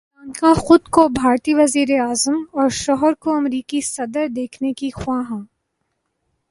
پریانکا خود کو بھارتی وزیر اعظم اور شوہر کو امریکی صدر دیکھنے کی خواہاں